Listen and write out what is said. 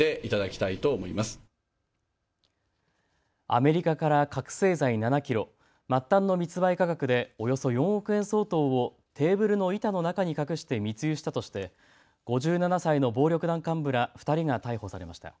アメリカから覚醒剤７キロ、末端の密売価格でおよそ４億円相当をテーブルの板の中に隠して密輸したとして５７歳の暴力団幹部ら２人が逮捕されました。